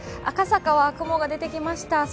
赤坂は雲が出てきました。